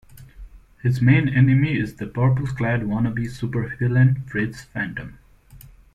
His main enemy is the purple-clad wannabe supervillain Fritz Fantom.